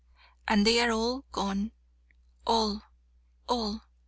And they are gone all! all!